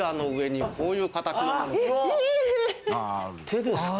手ですか？